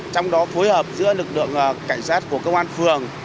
trong đó phối hợp giữa lực lượng cảnh sát của công an phường